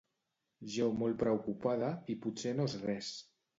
Jo molt preocupada i potser no és res.